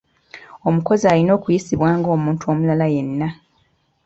Omukozi alina okuyisibwa bg’omuntu omulala yenna.